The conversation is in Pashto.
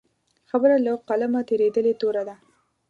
خبره له قلمه تېرېدلې توره ده.